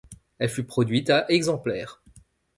Elle fut produite à exemplaires.